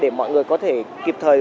để mọi người có thể kịp thời